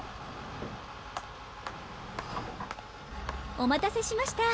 おまたせしました。